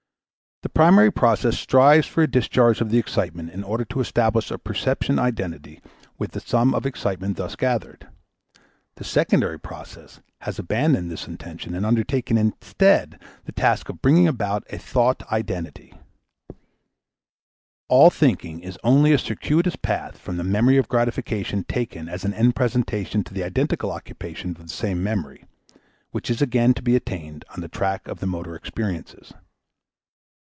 The primary process strives for a discharge of the excitement in order to establish a perception identity with the sum of excitement thus gathered; the secondary process has abandoned this intention and undertaken instead the task of bringing about a thought identity. All thinking is only a circuitous path from the memory of gratification taken as an end presentation to the identical occupation of the same memory, which is again to be attained on the track of the motor experiences.